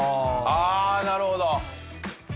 ああなるほど。